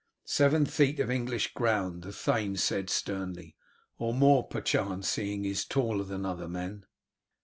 "Seven feet of English ground!" the thane said sternly, "or more, perchance, seeing he is taller than other men."